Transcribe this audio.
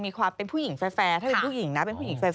มีความเป็นผู้หญิงแฟร์ถ้าเป็นผู้หญิงนะเป็นผู้หญิงแฟร์